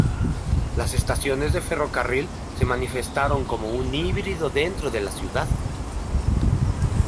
Las estaciones de ferrocarril se manifestaron como un híbrido dentro de la ciudad.